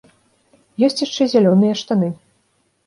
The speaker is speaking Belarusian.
Ёсць яшчэ зялёныя штаны.